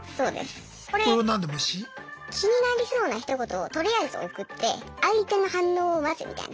気になりそうなひと言をとりあえず送って相手の反応を待つみたいな。